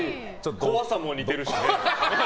怖さも似てるしね。